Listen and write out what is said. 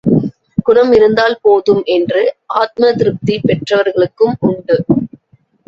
குணம் இருந்தால் போதும் என்று ஆத்மதிருப்தி பெறுகிறவர்களும் உண்டு.